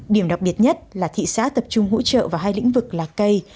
điểm đặc biệt nhất là thị xã tập trung hỗ trợ vào hai lĩnh vực là cây